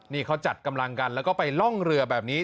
นี่เขาจัดกำลังกันแล้วก็ไปล่องเรือแบบนี้